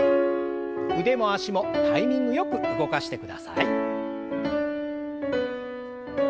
腕も脚もタイミングよく動かしてください。